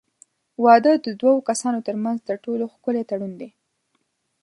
واده د دوو کسانو ترمنځ تر ټولو ښکلی تړون دی.